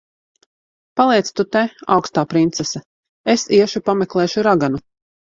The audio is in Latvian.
Paliec tu te, augstā princese. Es iešu pameklēšu raganu.